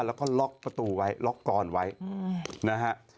แล้วก็ล็อกประตูไว้ล็อกกรอนไว้นะฮะ